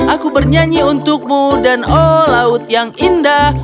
aku bernyanyi untukmu dan oh laut yang indah